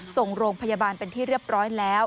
ส่งโรงพยาบาลเป็นที่เรียบร้อยแล้ว